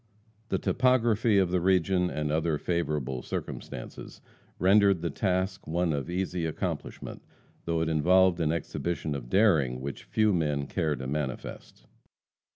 The topography of the region, and other favorable circumstances, rendered the task one of easy accomplishment, though it involved an exhibition of daring which few men care to manifest.